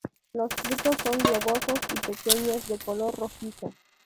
Los frutos son globosos y pequeños, de color rojizo.